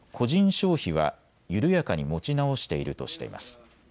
消費は緩やかに持ち直しているとしています。